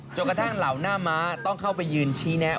กระทั่งเหล่าหน้าม้าต้องเข้าไปยืนชี้แนะ